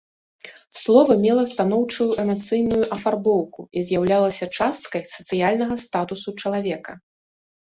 Слова мела станоўчую эмацыйную афарбоўку і з'яўлялася часткай сацыяльнага статусу чалавека.